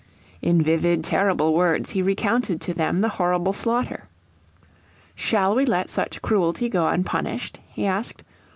In vivid, terrible words he recounted to them the horrible slaughter. "Shall we let such cruelty go unpunished?" he asked.